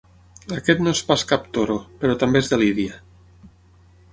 Aquest no és pas cap toro, però també és de Lídia.